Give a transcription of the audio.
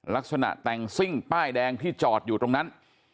ลักษณะแต่งซิ่งป้ายแดงที่จอดอยู่ตรงนั้น